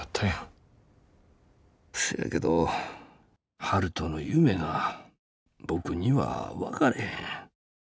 「そやけど悠人の夢が僕には分かれへん。